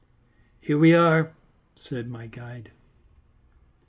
"Here we are," said my guide.